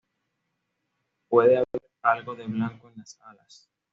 Puede haber algo de blanco en las alas.